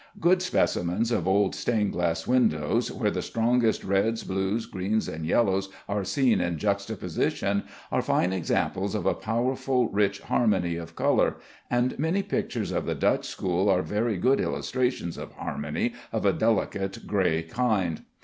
Good specimens of old stained glass windows, where the strongest reds, blues, greens, and yellows are seen in juxtaposition, are fine examples of a powerful rich harmony of color, and many pictures of the Dutch school are very good illustrations of harmony of a delicate gray kind.